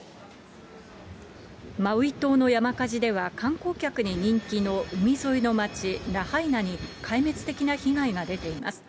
マウイ島の山火事では、観光客に人気の海沿いの街、ラハイナに、壊滅的な被害が出ています。